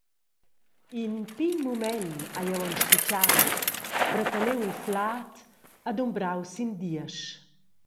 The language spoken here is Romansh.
In pign mument hai jeu aunc spitgau, reteniu il flad e dumbrau sin diesch.